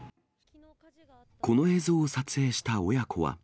この映像を撮影した親子は。